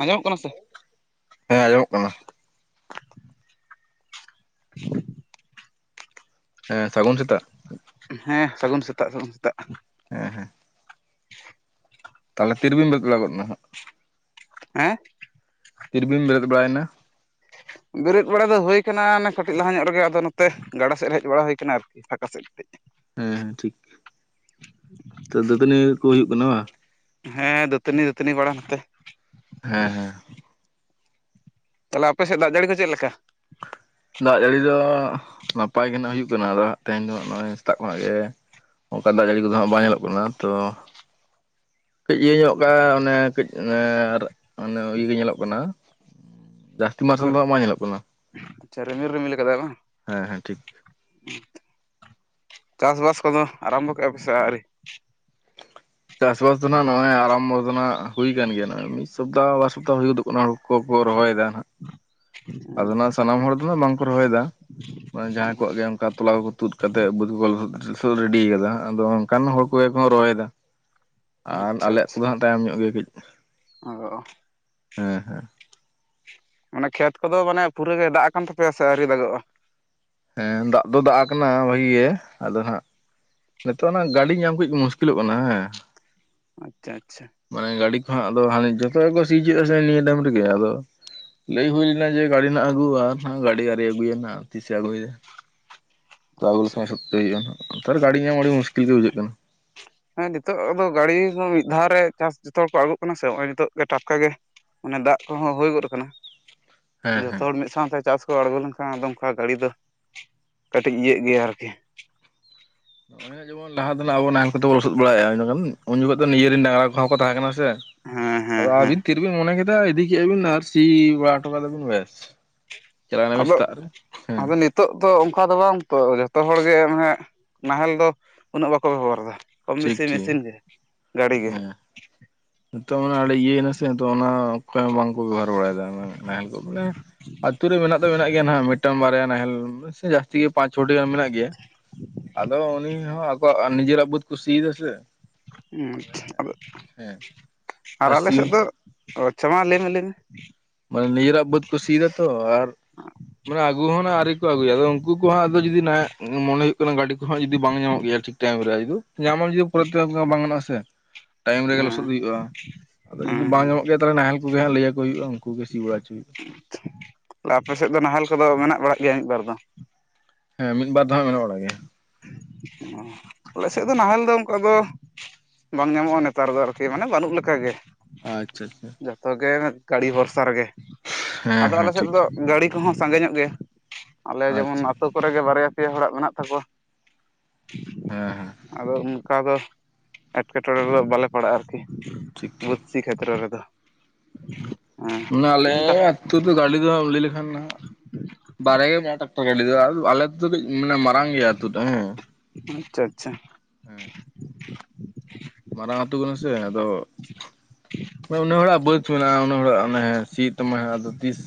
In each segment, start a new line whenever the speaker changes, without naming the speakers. ᱟᱸᱡᱚᱢᱚᱜ ᱠᱟᱱᱟ ᱥᱮ
ᱦᱮᱸ ᱟᱸᱡᱚᱢᱚᱜ ᱠᱟᱱᱟ ᱦᱮᱸ ᱥᱟᱹᱜᱩᱱ ᱥᱮᱛᱟᱜ
ᱦᱮᱸ ᱥᱟᱹᱜᱩᱱ ᱥᱮᱛᱟᱜ ᱥᱟᱹᱜᱩᱱ ᱥᱮᱛᱟᱜ
ᱦᱮᱸ ᱦᱮᱸ ᱛᱟᱦᱚᱞᱮ ᱛᱤᱨᱮ ᱵᱤᱱ ᱵᱮᱨᱮᱫ ᱵᱟᱲᱟ ᱜᱚᱫ ᱮᱱᱟ ᱱᱟᱜ
ᱦᱮᱸ
ᱛᱤᱨᱮ ᱵᱤᱱ ᱵᱮᱨᱮᱫ ᱵᱟᱲᱟᱭᱮᱱᱟ
ᱵᱮᱨᱮᱫ ᱵᱟᱲᱟ ᱫᱚ ᱦᱩᱭ ᱠᱟᱱᱟ ᱠᱟᱹᱴᱤᱡ ᱞᱟᱦᱟ ᱧᱚᱜ ᱨᱮᱜᱮ ᱟᱫᱚ ᱱᱚᱛᱮ ᱜᱟᱰᱟ ᱥᱮᱫ ᱦᱮᱡ ᱵᱟᱲᱟ ᱦᱩᱭ ᱠᱟᱱᱟ ᱟᱨᱠᱤ ᱯᱷᱟᱸᱠᱟ ᱥᱮᱫ ᱠᱟᱹᱴᱤᱡ
ᱦᱮᱸ ᱦᱮᱸ ᱴᱷᱤᱠ ᱛᱚ ᱫᱟᱹᱛᱟᱹᱱᱤ ᱠᱚ ᱦᱩᱭᱩᱜ ᱠᱟᱱᱟ ᱵᱟᱝ
ᱦᱮᱸ ᱫᱟᱹᱛᱟᱹᱱᱤ ᱫᱟᱹᱛᱱᱤ ᱵᱟᱲᱟ ᱠᱟᱛᱮ
ᱦᱮᱸ ᱦᱮᱸ
ᱛᱟᱦᱚᱞᱮ ᱟᱯᱮ ᱥᱮᱫ ᱫᱟᱜ ᱡᱟᱹᱲᱤ ᱠᱚ ᱪᱮᱫ ᱞᱮᱠᱟ
ᱫᱟᱜ ᱡᱟᱹᱲᱤ ᱫᱚ ᱱᱟᱯᱟᱭ ᱜᱮ ᱱᱟᱜ ᱦᱩᱭᱩᱜ ᱠᱟᱱᱟ ᱟᱫᱚ ᱛᱮᱦᱮᱱ ᱫᱚ ᱱᱚᱜᱼᱚᱭ ᱥᱮᱛᱟᱜ ᱠᱷᱚᱱ ᱜᱮ ᱚᱱᱠᱟ ᱫᱟᱜ ᱡᱟᱹᱲᱤ ᱠᱚᱫᱚ ᱦᱟᱸᱜ ᱵᱟᱭ ᱧᱮᱞᱚᱜ ᱠᱟᱱᱟ ᱛᱚ ᱠᱟᱹᱡ ᱤᱭᱟᱹ ᱧᱚᱜ ᱠᱟᱜ ᱚᱱᱮ ᱠᱟᱹᱡ ᱚᱱᱮ ᱤᱭᱟᱹ ᱜᱮ ᱧᱮᱞᱚᱜ ᱠᱟᱱᱟ ᱡᱟᱹᱥᱛᱤ ᱢᱟᱨᱥᱟᱞ ᱫᱚ ᱦᱟᱸᱜ ᱵᱟᱝ ᱧᱮᱞᱚᱜ ᱠᱟᱱᱟ
ᱟᱪᱪᱷᱟ ᱨᱤᱢᱤᱞ ᱨᱤᱢᱤᱞ ᱟᱠᱟᱫᱟᱭ ᱵᱟᱝ
ᱦᱮᱸ ᱦᱮᱸ ᱴᱷᱤᱠ᱾
ᱪᱟᱥᱵᱟᱥ ᱠᱚᱫᱚ ᱟᱨᱟᱢᱵᱷᱚ ᱠᱮᱫᱼᱟ ᱯᱮᱥᱮ ᱟᱹᱣᱨᱤ?
ᱪᱟᱥᱵᱟᱥ ᱫᱚ ᱱᱟᱦᱟᱜ ᱱᱚᱜᱼᱚᱭ ᱟᱨᱟᱢᱵᱚᱨ ᱫᱚ ᱱᱟᱦᱟᱜ ᱦᱩᱭ ᱠᱟᱱᱟᱱ ᱜᱮᱭᱟ ᱱᱚᱜᱼᱚᱭ ᱢᱤᱫ ᱥᱚᱯᱛᱟᱟᱦ ᱵᱟᱨ ᱥᱚᱯᱛᱟᱦᱚ ᱦᱩᱭ ᱜᱚᱫᱚᱜ ᱠᱟᱱᱟ᱾ᱦᱳ ᱲᱳᱠᱚ ᱨᱚᱦᱚᱭᱮᱫᱟ ᱱᱟᱦᱟᱜ᱾ ᱟᱫᱚ ᱱᱟᱜ
ᱟᱪᱪᱷᱟ
ᱥᱟᱱᱟᱢ ᱦᱚᱲ ᱫᱚ ᱵᱟᱝᱠᱚ ᱨᱚᱦᱚᱭᱫᱟ, ᱢᱟᱱᱮ ᱡᱟᱦᱟᱭ ᱠᱚᱣᱟᱜ ᱜᱮ ᱚᱱᱠᱟ ᱛᱚᱞᱟ ᱠᱚ ᱛᱩᱫ ᱠᱟᱛᱮᱫ ᱵᱟᱹᱫ ᱠᱚ ᱞᱚᱥᱚᱫ ᱨᱟᱹᱰᱤ ᱠᱟᱫᱟ ᱟᱫᱚ ᱚᱱᱠᱟᱱ ᱦᱚᱲ ᱠᱚᱜᱮ ᱠᱚ ᱨᱚᱦᱚᱭᱫᱟ᱾
[inaudible]
ᱟᱨ ᱟᱞᱮᱭᱟᱜ ᱠᱚᱫᱚ ᱦᱟᱸᱜ ᱛᱟᱭᱚᱢ ᱧᱚᱜ ᱜᱮ ᱠᱟᱹᱡ᱾
ᱚᱸᱻ
ᱦᱮᱸ ᱦᱮᱸ
ᱢᱟᱱᱮ ᱠᱷᱮᱛ ᱠᱚᱫᱚ ᱢᱟᱱᱮ ᱯᱩᱨᱟᱹ ᱜᱮ ᱫᱟᱜ ᱠᱟᱱ ᱛᱟᱯᱮᱭᱟ ᱥᱮ ᱟᱹᱣᱨᱤ ᱫᱟᱜᱚᱜᱼᱟ?
ᱦᱮᱸ ᱫᱟᱜ ᱫᱚ ᱫᱟᱜ ᱟᱠᱟᱱᱟ ᱵᱷᱟᱜᱤ ᱜᱮ ᱟᱫᱚ ᱦᱱᱟᱜ, ᱱᱤᱛᱚᱜ ᱚᱱᱟ ᱜᱟᱹᱰᱤ ᱧᱟᱢ ᱠᱟᱹᱡ ᱢᱩᱥᱠᱤᱞᱚᱜ ᱠᱟᱱᱟ ᱦᱮᱸ᱾
ᱟᱪᱪᱷᱟ ᱟᱪᱪᱷᱟ
ᱢᱟᱱᱮ ᱜᱟᱹᱰᱤ ᱠᱚ ᱦᱟᱸᱜ ᱟᱫᱚ ᱦᱟᱱᱮ ᱡᱚᱛᱚ ᱜᱮ ᱠᱚ ᱥᱤ ᱦᱚᱪᱚᱭᱮᱫᱟ ᱥᱮ ᱱᱤᱭᱟᱹ ᱴᱟᱭᱤᱢ ᱨᱮᱜᱮ ᱟᱫᱚ ᱞᱟᱹᱭ ᱦᱩᱭ ᱞᱮᱱᱟ ᱡᱮ ᱜᱟᱹᱰᱤ ᱱᱟᱜ ᱟᱹᱜᱩ ᱜᱟᱹᱰᱤ ᱟᱹᱣᱨᱤ ᱟᱹᱜᱩᱭᱟᱭ ᱱᱟᱜ ᱛᱤᱥᱮ ᱟᱹᱜᱩᱭᱟ᱾
[inaudible]
ᱛᱚᱞᱮ
ᱟᱪᱪᱷᱟ
ᱠᱷᱟᱱ ᱥᱚᱠᱛᱮ ᱤᱭᱟᱹ ᱦᱩᱭᱩᱜᱼᱟ ᱱᱟᱜ ᱱᱮᱛᱟᱨ ᱜᱟᱹᱰᱤ ᱧᱟᱢ ᱟᱹᱰᱤ ᱢᱩᱥᱠᱤᱞ ᱜᱮ ᱵᱩᱡᱷᱟᱹᱜ ᱠᱟᱱᱟ᱾
ᱦᱮᱸ ᱱᱤᱛᱚᱜ ᱫᱚ ᱜᱟᱹᱲᱤ ᱦᱚᱸ ᱢᱤᱫ ᱫᱷᱟᱣ ᱨᱮ ᱪᱟᱥ ᱡᱚᱛᱚ ᱦᱚᱲ ᱠᱚ ᱟᱹᱬᱜᱩᱜ ᱠᱟᱱᱟ ᱥᱮ, ᱱᱚᱜᱚᱭ ᱱᱤᱛᱚᱜ ᱜᱮ ᱴᱟᱴᱠᱟ ᱜᱮ ᱚᱱᱮ ᱫᱟᱜ ᱠᱚᱦᱚᱸ ᱦᱩᱭ ᱜᱚᱫ ᱠᱟᱱᱟ᱾
ᱦᱮᱸ ᱦᱮᱸ
ᱡᱷᱚᱛᱚ ᱦᱚᱲ ᱢᱤᱫ ᱥᱟᱶᱛᱮ ᱪᱟᱥ ᱠᱚ ᱟᱬᱜᱚ ᱞᱮᱱᱠᱷᱟᱱ ᱟᱫᱚ ᱚᱱᱠᱟ ᱜᱟᱹᱲᱤ ᱫᱚ ᱠᱟᱹᱴᱤᱡ ᱤᱭᱟᱹᱜ ᱜᱮᱭᱟ ᱟᱨᱠᱤ᱾
ᱚᱱᱮ ᱡᱮᱚᱱ ᱞᱟᱦᱟ ᱫᱚ ᱱᱟᱜ ᱟᱵᱚ ᱱᱟᱦᱮᱞ ᱠᱚᱛᱮ ᱵᱚᱱ ᱞᱚᱥᱚᱫ ᱵᱟᱲᱟᱭᱮ-ᱟ ᱤᱱᱟᱹ ᱠᱷᱟᱱ ᱩᱱ ᱡᱚᱠᱷᱚᱡ ᱫᱚ ᱱᱤᱡᱮᱨᱮ ᱰᱟᱝᱨᱟ ᱠᱚᱦᱚᱸ ᱠᱚ ᱛᱟᱦᱮᱸ ᱠᱟᱱᱟ, ᱥᱮ
ᱦᱮᱸ
ᱟᱫᱚ
ᱦᱮᱸ ᱦᱮᱸ
ᱟᱹᱵᱤᱱ ᱛᱤᱨᱵᱤᱱ ᱢᱚᱱᱮ ᱠᱮᱫᱟ ᱤᱫᱤ ᱠᱮᱫᱟ ᱵᱤᱱ ᱟᱨ ᱥᱤ ᱵᱟᱲᱟ ᱦᱚᱴᱚ ᱠᱟᱫᱟᱵᱤᱱ ᱵᱮᱥ᱾ ᱪᱟᱞᱟᱣ ᱮᱱᱟ ᱵᱤᱱ
ᱟᱫᱚ
ᱥᱮᱛᱟᱜ ᱨᱮ ᱦᱮᱸ
ᱟᱵᱤᱱ ᱱᱤ ᱛᱚᱜ ᱫᱚ ᱚᱱᱠᱟ ᱫᱚ ᱵᱟᱝ ᱛᱚ ᱡᱚᱛᱚ ᱦᱚᱲ ᱜᱮ ᱟᱱᱮ ᱱᱟᱦᱮᱞ ᱫᱚ ᱩᱱᱟᱹᱜ ᱵᱟᱠᱚ ᱵᱮᱵᱚᱦᱟᱨ ᱫᱟ᱾ ᱠᱚᱢ
ᱴᱷᱤᱠ
ᱵᱮᱥᱤ
ᱴᱷᱤᱠ
ᱢᱮᱥᱤᱱ ᱜᱮ ᱜᱟᱰᱤ ᱜᱮ᱾
ᱦᱮᱸ ᱱᱤᱛᱚᱜ ᱢᱟᱱᱮ ᱟᱹᱰᱤ ᱤᱭᱟᱹᱭᱱᱟᱥᱮ ᱱᱤᱛᱚᱜ ᱚᱱᱟ ᱚᱠᱚᱭ ᱦᱚᱸ ᱵᱟᱝᱠᱚ ᱵᱮᱵᱚᱦᱟᱨ ᱵᱟᱲᱟᱭᱮᱫᱟ ᱱᱟᱦᱮᱞ ᱠᱚ ᱫᱚ ᱢᱟᱱᱮ, ᱟᱛᱩ ᱨᱮ ᱢᱮᱱᱟᱜ ᱫᱚ ᱢᱮᱱᱟᱜ ᱜᱮᱭᱟ ᱱᱟᱜ ᱢᱤᱫᱴᱟᱝ ᱵᱟᱨᱭᱟ ᱱᱟᱦᱮᱞ ᱱᱤᱥᱪᱟᱹᱭ ᱡᱟᱹᱥᱛᱤ ᱜᱮ ᱯᱟᱸᱪ ᱪᱷᱚᱴᱤ ᱜᱟᱱ ᱢᱮᱱᱟᱜ ᱜᱮᱭᱟ᱾ ᱟᱫᱚ ᱩᱱᱤ ᱦᱚᱸ ᱟᱠᱚᱣᱟᱜ ᱱᱤᱡᱮᱨᱟᱜ ᱵᱟᱹᱫᱠᱚ ᱥᱤᱭ ᱫᱟ ᱥᱮ᱾
ᱦᱩᱸ ᱟᱪᱪᱷᱟ ᱟᱫᱚ
ᱦᱮᱸ
ᱟᱨ ᱟᱞᱮ
ᱥᱤ
ᱥᱮᱫ
ᱦᱚᱸ
ᱫᱚ ᱚ ᱟᱪᱪᱷᱟ ᱢᱟ ᱞᱟᱹᱭᱢᱮ ᱞᱟᱹᱭᱢᱮ᱾
ᱢᱟᱱᱮ ᱱᱤᱡᱮᱨᱟᱜ ᱵᱟᱹᱫ ᱠᱩᱥᱤᱭ ᱫᱟ ᱛᱚ ᱟᱨ ᱢᱟᱱᱮ ᱟᱜᱩ ᱦᱚᱸᱚ ᱱᱟᱜ ᱟᱹᱨᱤ ᱠᱚ ᱟᱹᱜᱩᱭᱟ ᱟᱫᱚ ᱩᱱᱠᱩ ᱠᱚᱦᱚᱸ ᱟᱫᱚ ᱡᱩᱫᱤ ᱱᱟᱜ ᱢᱚᱱᱮ ᱦᱩᱭᱩᱜ ᱠᱟᱱᱟ ᱜᱟᱹᱰᱤ ᱠᱚᱦᱚᱸ ᱡᱩᱫᱤ ᱵᱟᱝ ᱧᱟᱢᱚᱜ ᱜᱮᱭᱟ ᱴᱷᱤᱠ ᱴᱟᱭᱤᱢ ᱨᱮ ᱧᱟᱢᱦᱟᱸ ᱡᱩᱫᱤ ᱯᱚᱨᱮᱛᱮ ᱵᱟᱝ ᱜᱟᱱ ᱟ ᱥᱮ᱾
[inaudible]
ᱴᱟᱭᱤᱢ ᱨᱮᱜᱮ ᱞᱚᱥᱚᱫ
ᱦᱮᱸ
ᱦᱩᱭᱩᱜᱼᱟ, ᱟᱫᱚ ᱡᱩᱫᱤ
ᱦᱮᱸ
ᱵᱟᱝ
ᱦᱮᱸ
ᱧᱟᱢᱚᱜ ᱜᱮᱭᱟ ᱛᱟᱦᱚᱞᱮ ᱱᱟᱦᱮᱞ ᱠᱚᱜᱮ ᱦᱟᱜ ᱞᱟᱹᱭᱟ ᱠᱚ ᱦᱩᱭᱩᱜᱼᱟ᱾ ᱩᱱᱠᱩ ᱜᱮ ᱥᱤ ᱵᱟᱲᱟ ᱦᱚᱪᱩᱜ
ᱟᱪᱪᱷᱟ ᱟᱯᱮ ᱥᱮᱫ ᱫᱚ ᱱᱟᱦᱮᱞ ᱠᱚᱫᱚ ᱢᱮᱱᱟᱜ ᱵᱟᱲᱟᱜ ᱜᱮᱭᱟ ᱢᱤᱫ ᱵᱟᱨ ᱫᱚ?
ᱦᱮᱸ ᱢᱤᱫ ᱵᱟᱨ ᱫᱚ ᱦᱟᱜ ᱢᱮᱱᱟᱜ ᱵᱟᱲᱟᱜ ᱜᱮᱭᱟ᱾
ᱚᱸ ᱟᱞᱮ ᱥᱮᱫ ᱫᱚ ᱱᱟᱦᱮᱞ ᱫᱚ ᱚᱱᱠᱟ ᱫᱚ ᱵᱟᱝ ᱧᱟᱢᱚᱜᱼᱟ ᱱᱮᱛᱟᱨ ᱫᱚ ᱟᱨᱠᱤ ᱢᱟᱱᱮ ᱵᱟᱹᱱᱩᱜ ᱞᱮᱠᱟᱜᱮ᱾
ᱟᱪᱪᱷᱟ ᱟᱪᱪᱷᱟ᱾
ᱡᱷᱚᱛᱚ ᱜᱮ ᱜᱟᱹᱲᱤ ᱵᱷᱚᱨᱥᱟ ᱨᱮᱜᱮ,
ᱦᱮᱸ
ᱟᱫᱚ
ᱦᱮᱸ
ᱟᱞᱮ ᱥᱮᱫ
ᱴᱷᱤᱠ
ᱫᱚ ᱜᱟᱹᱲᱤ ᱠᱚᱦᱚᱸ ᱥᱟᱸᱜᱮ ᱧᱚᱜ ᱜᱮᱭᱟ, ᱟᱞᱮ ᱡᱮᱢᱚᱱ
ᱟᱪᱪᱷᱟ
ᱟᱹᱛᱳ ᱠᱚᱨᱮ ᱜᱮ ᱵᱟᱨᱭᱟ ᱯᱮᱭᱟ ᱦᱚᱲᱟᱜ ᱢᱮᱱᱟᱜ ᱛᱟᱠᱚᱣᱟ,
ᱦᱮᱸ ᱦᱮᱸ
ᱟᱫᱚ ᱚᱱᱠᱟ ᱫᱚ ᱮᱴᱠᱮᱴᱚᱬᱮ ᱨᱮᱫᱚ ᱵᱟᱞᱮ ᱯᱟᱲᱟᱜᱼᱟ ᱟᱨᱠᱤ,
ᱴᱷᱤᱠ ᱴᱷᱤᱠ
ᱵᱟᱹᱫᱥᱤ ᱠᱷᱮᱛᱨᱚ ᱨᱮᱫᱚ᱾ ᱦᱮᱸ
ᱢᱟᱱᱮ ᱟᱞᱮ ᱱᱤᱛᱚᱜ ᱫᱚ ᱜᱟᱹᱰᱤ ᱫᱚ ᱞᱟᱹᱭ ᱞᱮᱠᱷᱟᱱ ᱱᱟᱜ ᱵᱟᱨᱭᱟ ᱜᱮ ᱢᱮᱱᱟᱜ-ᱟ ᱴᱠᱴᱟᱨ ᱜᱟᱹᱰᱤ ᱫᱚ, ᱟᱞᱮ ᱟᱹᱛᱩ ᱫᱚ ᱠᱟᱹᱡ ᱢᱟᱱᱮ ᱢᱟ ᱨᱟᱝ ᱜᱮᱭᱟ ᱟᱹᱛᱩ ᱴᱟᱜ ᱦᱮᱸ᱾
ᱟᱪᱪᱷᱟ ᱟᱪᱪᱷᱟ᱾
ᱦᱮᱸ ᱢᱟᱨᱟᱝ ᱟᱹᱛᱳ ᱠᱟᱱᱟ ᱥᱮ ᱟᱫᱚ ᱢᱟᱱᱮ ᱩᱱᱟᱹᱜ ᱦᱚᱲᱟᱜ ᱵᱟᱹᱫ ᱢᱮᱱᱟᱜᱼᱟ ᱩᱱᱟᱹᱜ ᱦᱚᱲᱟᱜ ᱚᱱᱮ ᱥᱤᱭ ᱛᱟᱢᱟᱭ ᱟᱫᱚ ᱛᱤᱥ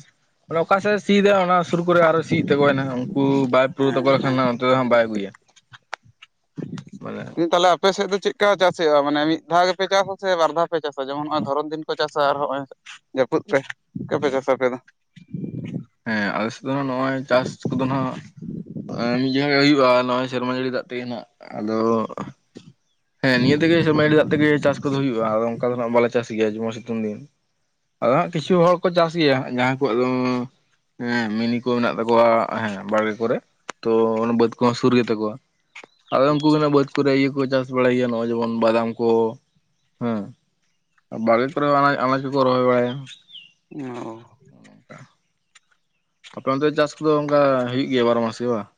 ᱟᱱᱮ ᱚᱠᱟᱥᱮᱫ ᱮ ᱥᱤᱭᱟ ᱚᱱᱟ ᱥᱩᱨ ᱠᱚᱨᱮ ᱟᱨᱚ ᱥᱤᱭᱮᱫ ᱛᱟᱠᱚᱟᱭ ᱦᱟᱜ ᱩᱱᱠᱩ ᱵᱟᱭ ᱯᱩᱨᱟᱹ ᱛᱠᱚ ᱞᱮᱠᱷᱟᱱ ᱚᱱᱛᱮᱦ ᱵᱟᱭ ᱟᱜᱩᱭᱟ
[unintelligible] ᱛᱟᱞᱟᱵ ᱟᱯᱮ ᱥᱮᱫ ᱫᱚ ᱪᱮᱫᱠᱟ ᱪᱟᱥ ᱦᱩᱭᱩᱜᱼᱟ ᱢᱟᱱᱮ ᱢᱤᱫ ᱫᱷᱟᱣ ᱜᱮᱯᱮ ᱪᱟᱥᱟ ᱥᱮ ᱵᱟᱨ ᱫᱷᱟᱣ ᱯᱮ ᱪᱟᱥᱟ ᱡᱮᱢᱚᱱ ᱱᱚᱜᱼᱚᱭ ᱫᱷᱚᱨᱚᱢ ᱫᱤᱱ ᱠᱚ ᱪᱟᱥᱟ ᱟᱨ ᱦᱚᱸᱜᱼᱚᱭ ᱡᱟᱹᱯᱩᱫ ᱯᱮ ᱚᱠᱟ ᱯᱮ ᱪᱟᱥᱟ ᱟᱯᱮ ᱫᱚ
ᱦᱮᱸ ᱟᱞᱮ ᱥᱮᱫ ᱫᱚ ᱱᱚᱜᱼᱚᱭ ᱪᱟᱥ ᱠᱚᱫᱚ ᱱᱟᱜ ᱢᱤᱫ ᱡᱟᱭᱜᱟ ᱜᱮ ᱦᱩᱭᱩᱜᱼᱟ ᱱᱚᱜᱼᱚᱭ ᱥᱮᱨᱢᱟ ᱡᱟᱹᱲᱤ ᱫᱟᱜ ᱛᱤᱱᱟ ᱟᱫᱚ ᱦᱮᱸ ᱱᱤᱭᱟᱹ ᱛᱮᱜᱮ ᱢᱟᱹᱭᱰᱤ ᱫᱟᱜ ᱛᱮᱜᱮ ᱪᱟᱥ ᱠᱚᱫᱚ ᱦᱩᱭᱩᱜᱼᱟ ᱚᱱᱠᱟ ᱫᱚ ᱦᱜ ᱵᱟᱞᱮ ᱪᱟᱥ ᱜᱮᱭᱟ ᱡᱮᱢᱚᱱ ᱥᱤᱛᱩᱝ ᱫᱤᱱ ᱟᱫᱚ ᱦᱜ ᱠᱤᱪᱷᱩ ᱦᱚᱲ ᱠᱚ ᱪᱟᱥ ᱜᱮᱭᱟ ᱡᱟᱦᱟᱸᱭ ᱠᱚ ᱟ ᱫᱚ ᱢᱤᱱᱤ ᱠᱚ ᱢᱮᱱᱟᱜ ᱛᱟᱠᱚᱣᱟ ᱦᱮᱸ ᱵᱟᱲᱜᱮ ᱠᱚᱨᱮ ᱛᱚ ᱚᱱᱟ ᱵᱟᱹᱫᱽ ᱠᱚᱦᱚᱸ ᱥᱩᱨ ᱜᱮᱛᱟ ᱠᱚᱣᱟ ᱟᱫᱚ ᱩᱱᱠᱩ
ᱟᱪᱪᱷᱟ
ᱜᱮ ᱵᱟᱹᱫᱽ ᱠᱚ ᱠᱚᱨᱮ ᱤᱭᱟᱹ ᱠᱚ ᱪᱟᱥ ᱵᱟᱲᱟᱭ ᱜᱮᱭᱟ ᱱᱚᱜ-ᱚᱭ ᱡᱮᱢᱚᱱ ᱵᱟᱫᱟᱢ ᱠᱚ ᱦᱮᱸ ᱵᱟᱲᱮ ᱠᱚᱨᱮ ᱟᱱᱟ ᱟᱱᱟᱡᱽ ᱠᱚ ᱨᱚᱦᱚᱭ ᱵᱟᱲᱟᱭᱟ
ᱚ
ᱟᱯᱮ ᱚᱱ ᱛᱮ ᱪᱟᱥ ᱠᱚᱫᱚ ᱚᱱᱠᱟ ᱦᱩᱭᱩᱜ ᱜᱮᱭᱟ ᱵᱟᱨᱚ ᱢᱟᱥ ᱜᱮ ᱵᱟᱝ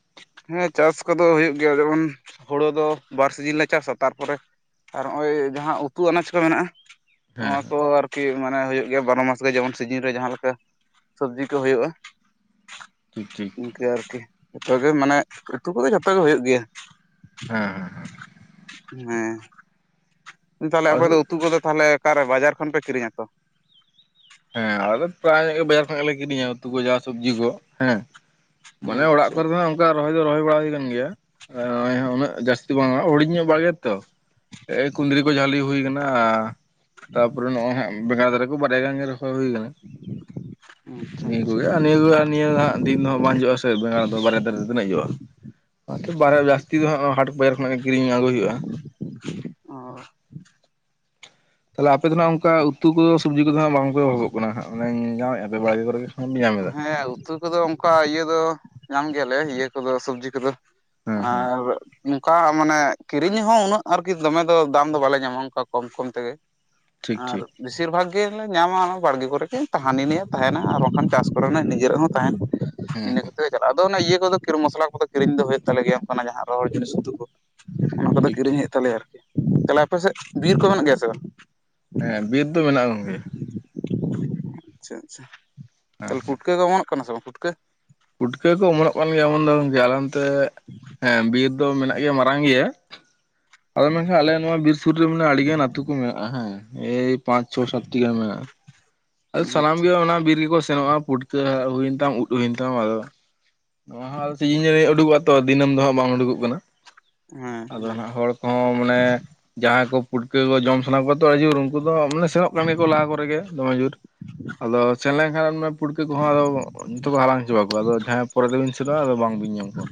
ᱦᱮᱸ ᱪᱟᱥ ᱠᱚᱫᱚ ᱦᱩᱭᱩᱜ ᱜᱮᱭᱟ ᱡᱮᱢᱚᱱ ᱦᱩᱲᱳ ᱫᱚ ᱵᱟᱨ ᱥᱤᱡᱤᱱ ᱞᱮ ᱪᱟᱥᱟ ᱛᱟᱨᱯᱚᱨᱮ ᱟᱨ ᱱᱚᱜᱼᱚᱭ ᱡᱟᱦᱟᱸ ᱩᱛᱩ ᱟᱱᱟᱡ ᱠᱚ ᱢᱮᱱᱟᱜᱼᱟ
ᱦᱮᱸ
ᱱᱚᱣᱟ ᱠᱚ
ᱦᱮᱸ
ᱟᱨ ᱠᱤ ᱢᱟᱱᱮ ᱦᱩᱭᱩᱜ ᱜᱮᱭᱟ ᱵᱟᱨᱚ ᱢᱟᱥ ᱜᱮ ᱡᱮᱢᱚᱱ ᱥᱤᱡᱤᱱ ᱨᱮ ᱡᱟᱦᱟᱸᱮ ᱞᱮᱠᱟ ᱥᱚᱵᱽᱡᱤ ᱠᱚ ᱦᱩᱭᱩᱜᱼᱟ
ᱴᱷᱤᱠ ᱴᱷᱤᱠ
ᱤᱱᱠᱟᱹ ᱟᱨᱠᱤ ᱡᱚᱛᱚ ᱜᱮ ᱢᱟᱱᱮ ᱩᱛᱩ ᱠᱚᱫᱚ ᱡᱚᱛᱚ ᱜᱮ ᱦᱩᱭᱩᱜ ᱜᱮᱭᱟ
ᱦᱮᱸ ᱦᱮᱸ ᱦᱮᱸ
ᱦᱮᱸ ᱛᱟᱦᱚᱞᱮ
ᱟᱞᱮ
ᱟᱯᱮ ᱫᱚ
ᱥᱮᱫ
ᱩᱛᱩ ᱠᱚᱫᱚ ᱛᱟᱦᱚᱞᱮ ᱚᱠᱟᱨᱮ ᱵᱟᱡᱟᱨ ᱠᱷᱚᱱ ᱯᱮ ᱠᱤᱨᱤᱧᱟ ᱛᱚ
ᱦᱮᱸ ᱟᱞᱮ ᱯᱨᱟᱭ ᱧᱚᱜ ᱜᱮ ᱵᱟᱡᱟᱨ ᱠᱷᱚᱱᱟᱜ ᱜᱮᱞᱮ ᱠᱤᱨᱤᱧᱟ ᱩᱛᱩ ᱠᱚ ᱡᱟ ᱥᱚᱵᱽᱡᱤ ᱠᱚ ᱦᱮᱸ ᱢᱟᱱᱮ ᱚᱲᱟᱜ
ᱟᱪᱪᱷᱟ
ᱠᱚᱨᱮ ᱛ ᱚᱱᱠᱟ ᱨᱚᱦᱚᱭ ᱫᱚ ᱨᱚᱦᱚᱭ ᱵᱟᱲᱟ ᱦᱩᱭ ᱟᱠ ᱜᱮᱭᱟᱜ ᱩᱱᱟᱹᱜ ᱡᱟᱹᱥᱛᱤ ᱵᱟᱝᱼᱟ ᱦᱩᱰᱤᱧ ᱧᱚᱜ ᱵᱟᱲ ᱜᱮᱭᱟ ᱛᱚ ᱮᱭ ᱠᱩᱸᱫᱽᱨᱤ ᱠᱚ ᱡᱷᱟᱹᱞᱤ ᱦᱩᱭ ᱟᱠᱟᱱᱟ ᱛᱟᱯᱚᱨᱮ ᱱᱚᱜᱼᱚᱭᱜ ᱵᱮᱸᱜᱟᱲ ᱫᱷᱟᱨᱟ ᱠᱚ ᱵᱟᱨᱭᱟ ᱜᱟᱱ ᱜᱮ ᱦᱩᱭ ᱠᱟᱱᱟ
ᱟᱪᱪᱷᱟ
ᱱᱤᱭᱟᱹ ᱠᱚ ᱜᱮ
ᱟᱪᱪᱷᱟ
ᱱᱤᱭᱟᱹ ᱠᱚ ᱱᱤᱭᱟᱹ ᱫᱤᱱ ᱫᱚ ᱦᱟᱸᱜ ᱵᱟᱝ ᱦᱩᱭᱩᱜᱼᱟ ᱥᱮ ᱵᱮᱸᱜᱟᱲ ᱫᱚ ᱵᱟᱨᱭᱟ ᱫᱟᱨᱮ ᱨᱮ ᱛᱤᱱᱟᱹᱜ ᱦᱩᱭᱩᱜᱼᱟ ᱟᱮᱪᱷᱟ ᱵᱟᱨᱮ ᱡᱟᱹᱥᱛᱤ ᱫᱚ ᱦᱜ ᱦᱟᱴ ᱵᱟᱡᱟᱨ ᱠᱷᱚᱱᱟᱜ ᱜᱮ ᱠᱤᱨᱤᱧ ᱟᱹᱜᱩᱭ ᱦᱩᱭᱩᱜᱼᱟ
ᱚ
ᱛᱟᱦᱚᱞᱮ ᱟᱯᱮ ᱫᱚ ᱱᱟᱜ ᱚᱱᱠᱟ ᱩ ᱠᱚ ᱥᱚᱵᱡᱤ ᱠᱚᱫᱚᱱᱟᱜ ᱵᱟᱝ ᱚᱜᱚᱜ ᱠᱟᱱᱟ ᱦᱟᱸᱜᱟᱱᱮᱧ ᱧᱟᱢᱮᱫ ᱯᱮ ᱵᱟᱲᱮ ᱠᱚᱨᱮᱜ ᱧᱟᱢᱮᱫᱟ
ᱦᱮᱸ ᱩᱛᱩ ᱠᱚᱫᱚ ᱚᱱᱠᱟ ᱤᱭᱟᱹ ᱫᱚ ᱧᱟᱢ ᱜᱮᱭᱟᱞᱮ ᱤᱭᱟᱹ ᱠᱚᱫᱚ ᱥᱚᱵᱽᱡᱤ ᱠᱚᱫᱚ
ᱦᱮᱸ ᱦᱮᱸ
ᱟᱨ ᱚᱱᱠᱟ ᱢᱟᱱᱮ ᱠᱤᱨᱤᱧ ᱦᱚᱸ ᱩᱱᱟᱹᱜ ᱟᱨᱠᱤ ᱫᱚᱢᱮ ᱫᱚ ᱫᱟᱢ ᱫᱚ ᱵᱟᱞᱮ ᱧᱟᱢᱟ ᱚᱱᱠᱟ ᱠᱚᱢ ᱠᱚᱢ ᱛᱮᱜᱮ
ᱴᱷᱤᱠ
ᱟᱨ
ᱴᱷᱤᱠ
ᱵᱮᱥᱤᱨ ᱵᱷᱟᱜᱽ ᱜᱮᱞ ᱞᱮ ᱧᱟᱢᱟ ᱚᱱᱟ ᱵᱟᱲᱜᱮ ᱠᱚᱨᱮ ᱠ ᱛᱟᱦᱟᱱᱤ ᱞᱮ ᱛᱟᱦᱮᱱᱟ ᱟᱨ ᱵᱟᱝᱠᱷᱟᱱ ᱪᱟᱥ ᱠᱚ ᱠᱚ ᱱᱤᱡᱮᱨ ᱦᱚᱸ ᱛᱟᱦᱮᱱ
ᱦᱮᱸ
ᱤᱱᱟᱹ ᱠᱚ
ᱦᱮᱸ
ᱛᱮ ᱪᱟᱞᱟᱜᱼᱟ ᱟᱫᱚ ᱚᱱᱟ ᱤᱭᱟᱹ ᱠᱚᱫᱚᱤᱨ ᱢᱚᱥᱞᱟ ᱠᱚᱫᱚ ᱠᱤᱨᱤᱧ ᱫᱚ ᱦᱩᱭᱩᱜ ᱛᱟᱞᱮ ᱜᱮᱭᱟ ᱚᱱᱱᱟᱜ ᱡᱟᱦᱟᱸ ᱨᱚᱦᱚᱲ ᱡᱤᱱᱤᱥ ᱩᱛᱩ ᱠᱚ ᱚᱱᱟ ᱠᱚᱫᱚ
ᱴᱷᱤᱠ
ᱠᱤᱨᱤᱧ
ᱴᱷᱤᱠ
ᱦᱩᱭᱩᱜ ᱛᱟᱞᱮᱭᱟ ᱟᱨᱠᱤ ᱛᱟᱦᱞᱮ ᱟᱯᱮ ᱥᱮᱫ ᱵᱤᱨ ᱠᱚ ᱢᱮᱱᱟᱜ ᱜᱮᱭᱟ ᱥᱮ ᱵᱟᱝ
ᱦᱮᱸ ᱵᱤᱨ ᱫᱚ ᱢᱮᱱᱟᱜ ᱜᱚᱝᱠᱮ
ᱟᱪᱷᱟ ᱟᱪᱷᱟ
ᱦᱮᱸ
ᱛᱟᱦᱚᱞᱮ ᱯᱴᱠᱟᱹ ᱠᱚ ᱚᱢᱚᱱᱚᱜ ᱠᱟᱱᱟ ᱥᱮ ᱵᱟᱝ ᱯᱷᱩᱴᱠᱟᱹ
ᱯᱩᱴᱠᱟᱹ ᱠᱚ ᱚᱢᱚᱱᱚᱜ ᱠᱟᱱ ᱜᱮᱭᱟ ᱮᱢᱚᱱ ᱫᱚ ᱟᱞ ᱱᱛᱮ ᱦᱮᱸ ᱵᱤᱨ ᱫᱚ ᱢᱮᱱᱟᱜ ᱜᱮᱭᱟ ᱢᱟᱨᱟᱝ ᱜᱮᱭᱟ ᱟᱫᱚ ᱢᱮᱱᱠᱷᱟᱱ ᱟᱞᱮ ᱱᱚᱣᱟ ᱵᱤᱨ ᱥᱩᱨ ᱨᱮ ᱢᱟᱱᱮ ᱟᱹᱰᱤ ᱜᱟᱱ ᱟᱹᱛᱩᱳ ᱠᱚ ᱢᱮᱱᱟᱜᱼᱟ ᱦᱮᱸ ᱮᱭ ᱯᱟᱸᱪ ᱪᱷᱚ ᱥᱟᱛᱴᱤ ᱜᱟᱱ ᱢᱮᱱᱟᱜᱼᱟ ᱟᱫᱚ ᱥᱟᱱᱟᱢ
ᱟᱪᱪᱷᱟ
ᱜᱮ ᱚᱱᱟ ᱵᱤᱨ ᱨᱮᱠᱚ ᱥᱮᱱᱚᱜᱼᱟ ᱯᱩᱴᱠᱟᱹ ᱦᱩᱭᱮᱱ ᱛᱟᱢ ᱩᱫ ᱦᱩᱭᱮᱱ ᱛᱟᱢ ᱟᱫᱚ ᱱᱚᱣᱟ ᱦᱚᱸ ᱥᱤᱡᱤᱱ ᱡᱤ ᱩᱰᱩᱠᱚᱜᱼᱟ ᱛᱚ ᱫᱤᱱᱟᱹᱢ ᱫᱚ ᱦᱟᱸᱜ ᱵᱟᱝ ᱩᱰᱩᱠᱚᱜ ᱠᱟᱱᱟ
ᱦᱮᱸ
ᱟᱫᱚ
ᱦᱮᱸ
ᱦᱟᱸᱜ ᱦᱚᱲ ᱦᱚᱸ ᱢᱟᱱᱮ ᱡᱟᱦᱟᱸᱭ ᱠᱚ ᱯᱩᱴᱠᱟᱹ ᱠᱚ ᱡᱚᱢ ᱥᱟᱱᱟ ᱠᱚᱣᱟ ᱛᱚ ᱟᱹᱰᱤ ᱡᱳᱨ ᱩᱱᱠᱩ ᱫᱚ ᱢᱟᱱᱮ ᱥᱮᱱᱚᱜ ᱠᱟᱱ ᱜᱮᱭᱟᱠᱚ ᱞᱟᱦᱟ ᱠᱚᱨᱮᱜ ᱜᱮ ᱫᱚᱢᱮ ᱡᱳᱨ ᱟᱫᱚ ᱥᱮᱱ ᱞᱮᱱᱠᱷᱟᱱ ᱯᱩᱲᱠᱟᱹ ᱠᱚᱦᱚᱸ ᱟᱫᱚ ᱡᱚᱛᱚ ᱠᱚ ᱦᱟᱞᱟᱝ ᱦᱚᱪᱚ ᱠᱚᱣᱟ ᱟᱫᱚ ᱡᱟᱦᱟᱸ ᱯᱚᱨᱮ ᱛᱮᱵᱤᱱ ᱥᱮᱱᱚᱜᱼᱟ ᱟᱫᱚ ᱵᱟᱝᱵᱤᱱ ᱧᱟᱢ ᱠᱚᱣᱟ